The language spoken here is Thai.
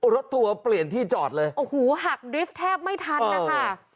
รถทัวร์เปลี่ยนที่จอดเลยโอ้โหหักดริฟท์แทบไม่ทันนะคะ